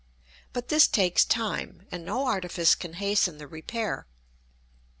But this takes time, and no artifice can hasten the repair.